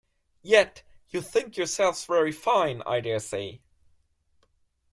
Yet you think yourselves very fine, I dare say!